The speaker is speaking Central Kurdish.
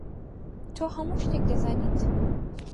تۆ هەموو شتێک دەزانیت.